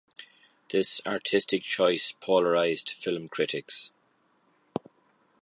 This artistic choice polarized film critics.